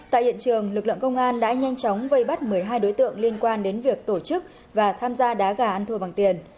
tại hiện trường lực lượng công an đã nhanh chóng vây bắt một mươi hai đối tượng liên quan đến việc tổ chức và tham gia đá gà ăn thua bằng tiền